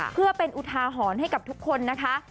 เพื่อเป็นอุทาหรณ์ให้กับทุกคนนะคะ